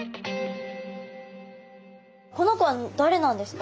この子は誰なんですか？